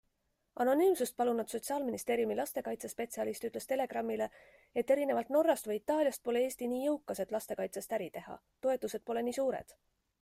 Anonüümsust palunud sotsiaalministeeriumi lastekaitsekaitsespetsialist ütles Telegramile, et erinevalt Norrast või Itaaliast pole Eesti nii jõukas, et lastekaitsest äri teha - toetused pole nii suured.